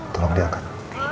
tolong dia kak